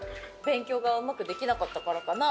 勉強がうまくできなかったからかな。